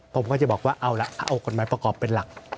ผมก็จะบอกว่าเอาละเอากฎหมายประกอบเป็นหลัก